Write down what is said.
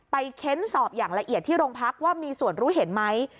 เค้นสอบอย่างละเอียดที่โรงพักว่ามีส่วนรู้เห็นไหม